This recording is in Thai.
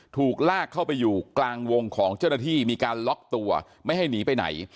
ถูกลากเข้าไปอยู่กลางวงของเจ้าหน้าที่มีการล็อกตัวไม่ให้หนีไปไหน